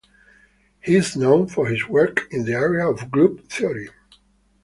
He is known for his work in the area of group theory.